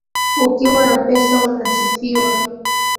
Ukiwa na pesa unasifiwa